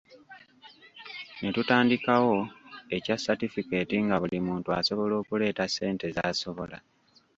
Ne tutandikawo ekya satifikeeti nga buli muntu asobola okuleeta ssente z’asobola.